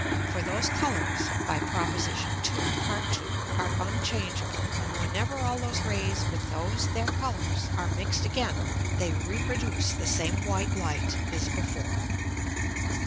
For those Colours (by Prop. II. Part 2.) are unchangeable, and whenever all those Rays with those their Colours are mix'd again, they reproduce the same white Light as before.